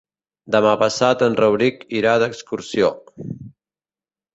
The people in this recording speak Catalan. Demà passat en Rauric irà d'excursió.